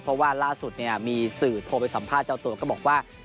เพราะว่าล่าสุดเนี่ยมีสื่อโทรไปสัมภาษณ์เจ้าตัวก็บอกว่า